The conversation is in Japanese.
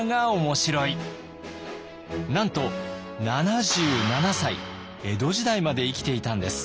なんと７７歳江戸時代まで生きていたんです。